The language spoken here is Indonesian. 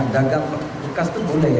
daga bekas itu boleh